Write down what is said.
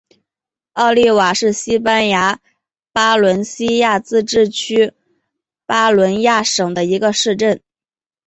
奥利瓦是西班牙巴伦西亚自治区巴伦西亚省的一个市镇。